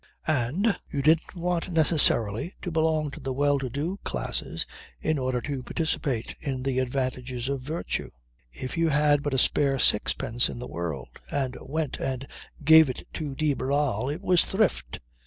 And you didn't want necessarily to belong to the well to do classes in order to participate in the advantages of virtue. If you had but a spare sixpence in the world and went and gave it to de Barral it was Thrift!